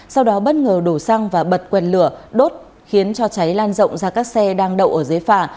sau đó bất ngờ đổ xăng và bật quần lửa đốt khiến cho cháy lan rộng ra các xe đang đậu ở dưới phà